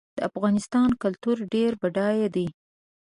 د افغانستان کلتور ډېر بډای دی.